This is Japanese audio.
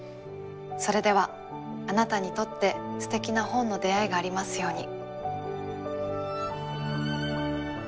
それではあなたにとってすてきな本の出会いがありますように。